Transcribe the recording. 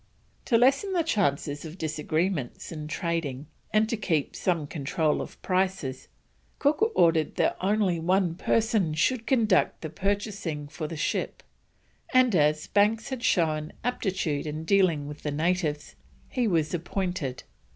To lessen the chances of disagreements in trading and to keep some control of prices, Cook ordered that only one person should conduct the purchasing for the ship, and as Banks had shown aptitude in dealing with the natives, he was appointed.